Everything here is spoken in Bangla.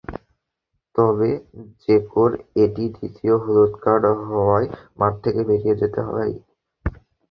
তবে জেকোর এটি দ্বিতীয় হলুদ কার্ড হওয়ায় মাঠ থেকে েবরিয়ে যেতে হয়।